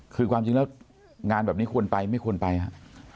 คือความจริงแล้วงานแบบนี้ควรไปไม่ควรไปครับ